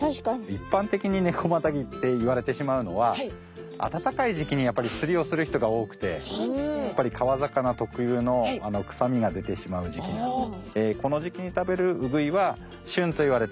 一般的にネコマタギっていわれてしまうのは暖かい時期にやっぱりつりをする人が多くてやっぱり川魚特有のくさみが出てしまう時期なんです。